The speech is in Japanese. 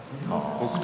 北勝